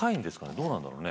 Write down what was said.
どうなんだろうね。